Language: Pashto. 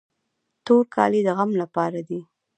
تور کالي د غم لپاره دي.